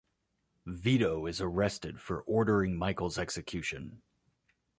Vito is arrested for ordering Michael's execution.